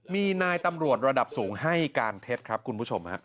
มีนายตำรวจระดับสูงให้การเท็จครับคุณผู้ชมฮะ